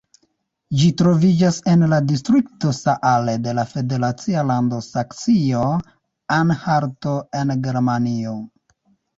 Ĝi troviĝas en la distrikto Saale de la federacia lando Saksio-Anhalto en Germanio.